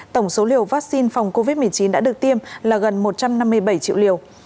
tổng số liều vaccine phòng covid một mươi chín đã được tiêm là gần một trăm năm mươi bảy triệu liều